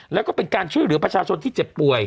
แล้วก็เป็นการช่วยเหลือประชาชนที่เจ็บป่วย